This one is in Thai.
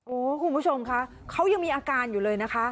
โอ้โหคุณผู้ชมคะเขายังมีอาการอยู่เลยนะคะ